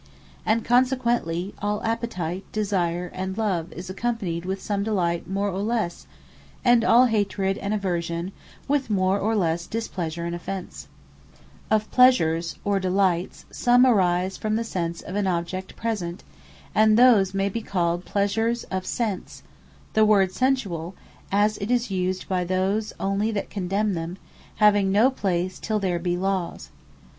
And consequently all Appetite, Desire, and Love, is accompanied with some Delight more or lesse; and all Hatred, and Aversion, with more or lesse Displeasure and Offence. Pleasures Of Sense; Pleasures Of The Mind; Joy Paine Griefe Of Pleasures, or Delights, some arise from the sense of an object Present; And those may be called Pleasures Of Sense, (The word Sensuall, as it is used by those onely that condemn them, having no place till there be Lawes.)